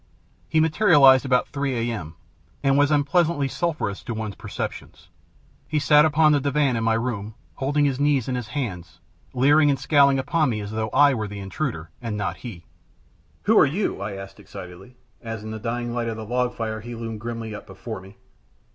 He materialized about 3 A.M. and was unpleasantly sulphurous to one's perceptions. He sat upon the divan in my room, holding his knees in his hands, leering and scowling upon me as though I were the intruder, and not he. "Who are you?" I asked, excitedly, as in the dying light of the log fire he loomed grimly up before me.